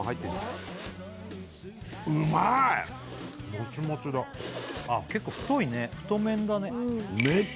もちもちだ結構太いね太麺だねうん